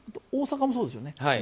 大阪もそうですよね。